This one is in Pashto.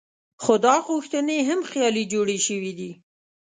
خو دا غوښتنې هم خیالي جوړې شوې دي.